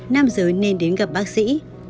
nam giới nên đến gặp bác sĩ